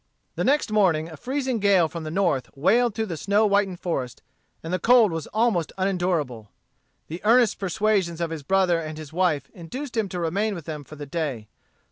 The next morning a freezing gale from the north wailed through the snow whitened forest, and the cold was almost unendurable. The earnest persuasions of his brother and his wife induced him to remain with them for the day.